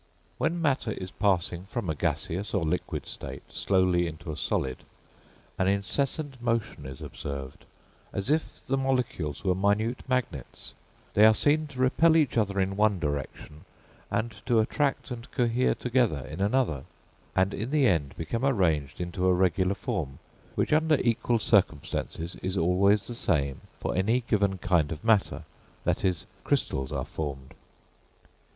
When matter is passing from a gaseous or liquid state slowly into a solid, an incessant motion is observed, as if the molecules were minute magnets; they are seen to repel each other in one direction, and to attract and cohere together in another, and in the end become arranged into a regular form, which under equal circumstances is always the same for any given kind of matter; that is, crystals are formed.